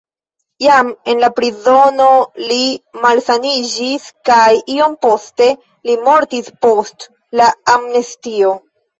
Jam en la prizono li malsaniĝis kaj iom poste li mortis post la amnestio.